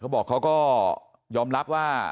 บอกเขาก็ยอมรับว่า